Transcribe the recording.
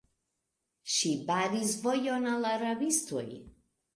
Ŝi baris vojon al la rabistoj.